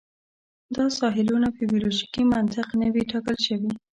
دا ساحلونه په بیولوژیکي منطق نه وې ټاکل شوي.